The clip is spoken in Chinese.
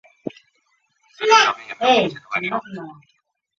淡蓝色表示为非联播时间播放本地节目。